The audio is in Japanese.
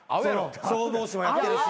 消防士もやってるし。